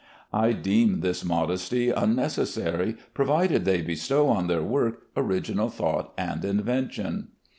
I deem this modesty unnecessary, provided they bestow on their work original thought and invention.